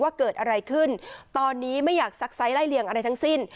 ว่าเกิดอะไรขึ้นตอนนี้ไม่อยากซักไซสไล่เลี่ยงอะไรทั้งสิ้น